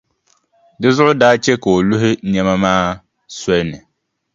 Di zuɣu daa che ka o luhi nɛma maa soli ni.